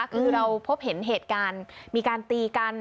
คือเราพบเห็นเหตุการณ์มีการตีกัน